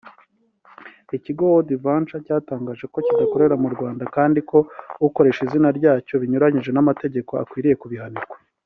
Ikigo World Ventures cyatangaje ko kidakorera mu Rwanda kandi ko ukoresha izina ryacyo binyuranyije n’amategeko akwiye kubihanirwa